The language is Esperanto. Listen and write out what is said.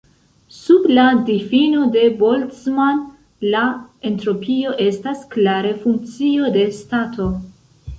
Sub la difino de Boltzmann, la entropio estas klare funkcio de stato.